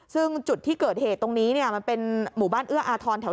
ซึ่งจุดที่เกิดเหตุตรงนี้เนี่ยมันเป็นหมู่บ้านเอื้ออาทรแถว